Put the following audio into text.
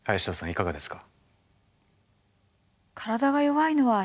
いかがですか？